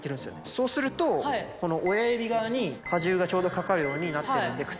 そうするとこの親指側に加重がちょうどかかるようになってるんで靴が。